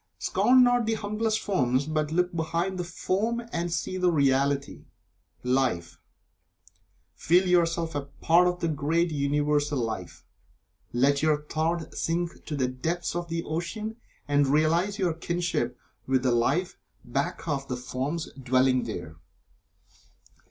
Scorn not the humblest forms, but look behind the form and see the reality Life. Feel yourself a part of the great Universal Life. Let your thought sink to the depths of the ocean, and realize your kinship with the Life back of the forms dwelling there.